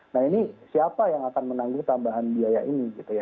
nah ini siapa yang akan menanggung tambahan biaya ini gitu ya